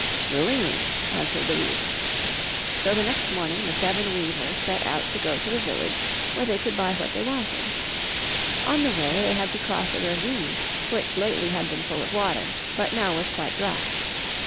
'Willingly,' answered the weaver. So the next morning the seven weavers set out to go to the village where they could buy what they wanted. On the way they had to cross a ravine which lately had been full of water, but now was quite dry.